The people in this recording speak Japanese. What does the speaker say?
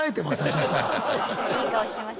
いい顔してました。